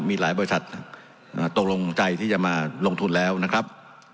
มีหลายบริษัทตกลงใจที่จะมาลงทุนแล้วนะครับ